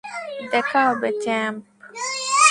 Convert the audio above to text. দেখা হবে, চ্যাম্প।